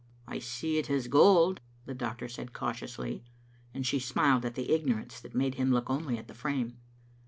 " I see it is gold," the, doctor said cautiously, and she smiled at the ignorance that made him look only at the frame.